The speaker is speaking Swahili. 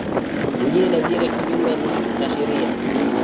mjini nigeria kinyume na sheria